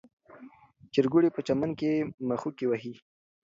چرګوړي په چمن کې مښوکې وهي.